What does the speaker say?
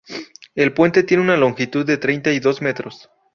El puente tiene una longitud de treinta y dos metros.